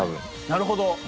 なるほど！